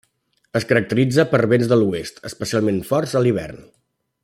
Es caracteritza per vents de l'oest, especialment forts a l'hivern.